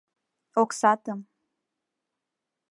— Оксатым.